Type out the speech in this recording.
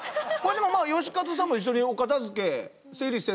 でもまあ善一さんも一緒にお片づけ